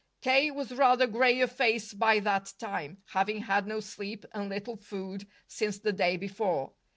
K. was rather gray of face by that time, having had no sleep and little food since the day before.